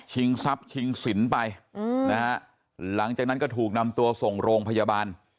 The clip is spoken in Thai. ทรัพย์ชิงสินไปนะฮะหลังจากนั้นก็ถูกนำตัวส่งโรงพยาบาล